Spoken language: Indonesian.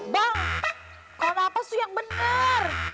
bang kau ngapain sih yang bener